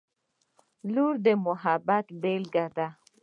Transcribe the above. • لور د محبت یوه بېلګه ده.